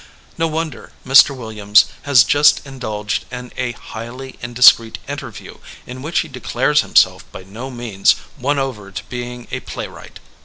No wonder Mr. Williams has just in dulged in a highly indiscreet interview in which he declares himself by no means won over to being a playwright